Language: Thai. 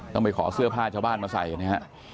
ต้องไปขอเสื้อผ้าชาวบ้านมาใส่นะฮะ